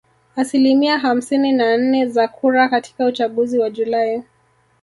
asilimia hamsini na nne za kura katika uchaguzi wa Julai